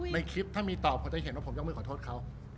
ในคลิปถ้ามีตอบพอจะเห็นว่าผมยกมือขอโทษเขา